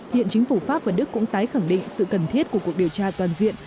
hiện chính phủ pháp và đức cũng tái khẳng định sự cần thiết của cuộc điều tra toàn diện